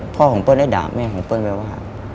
พ่อของเปิ้ลได้ด่าแม่ของเปิ้ลไปว่า